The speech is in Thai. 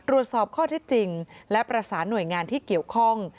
ตรวจสอบข้อที่จริงและประสานหน่วยงานที่เกี่ยวข้อง